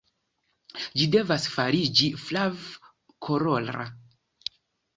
Ĝi devas fariĝi flav-kolora.